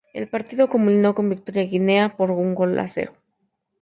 El partido culminó con victoria guineana por un gol a cero.